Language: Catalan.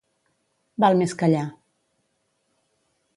Val més callar.